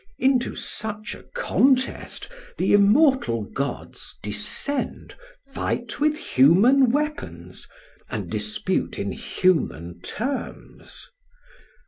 Into such a contest the immortal gods descend, fight with human weapons, and dispute in human terms!